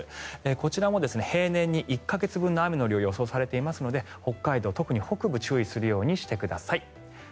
こちらも平年の１か月分の雨の量が予想されていますので北海道、特に北部注意するようにしてください。